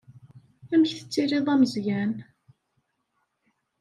Amek tettiliḍ a Meẓyan?